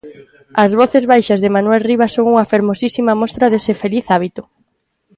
As voces baixas de Manuel Rivas son unha fermosísima mostra dese feliz hábito.